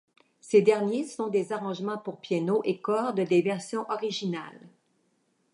Ces derniers sont des arrangements pour piano et cordes des versions originales.